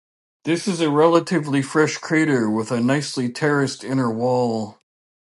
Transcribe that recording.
This is a relatively fresh crater with a nicely terraced inner wall.